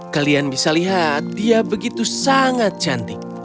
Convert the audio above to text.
kalian bisa lihat dia begitu sangat cantik